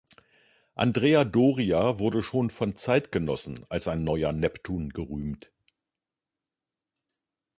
Andrea Doria wurde schon von Zeitgenossen als ein neuer Neptun gerühmt.